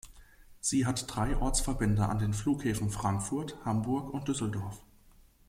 Sie hat drei Ortsverbände an den Flughäfen Frankfurt, Hamburg und Düsseldorf.